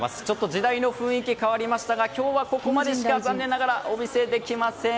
時代の雰囲気変わりましたが今日は、ここまでしか残念ながらお見せできません。